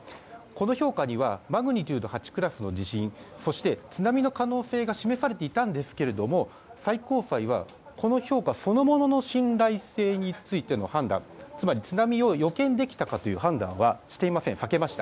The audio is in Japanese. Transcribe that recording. この評価にはマグニチュード８クラスの地震そして津波の可能性が示されていたんですが最高裁は、この評価そのものの信頼性についての判断つまり、津波を予見できたかという判断はしていません。